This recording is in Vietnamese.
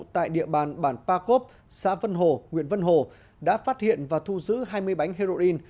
tại địa bàn bản pa cốp xã vân hồ huyện vân hồ đã phát hiện và thu giữ hai mươi bánh heroin